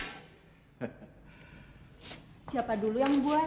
hai siapa dulu yang buat